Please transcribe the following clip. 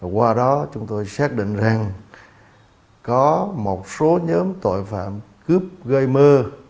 qua đó chúng tôi xác định rằng có một số nhóm tội phạm cướp gây mơ